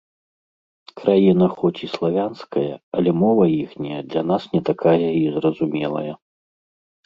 Краіна хоць і славянская, але мова іхняя для нас не такая і зразумелая.